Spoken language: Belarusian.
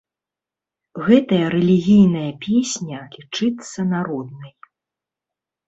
Гэтая рэлігійная песня лічыцца народнай.